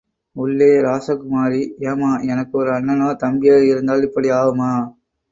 உள்ளே ராசகுமாரி, ஏம்மா.. எனக்கு ஒரு அண்ணனோ தம்பியோ இருந்தால் இப்படி ஆவுமா...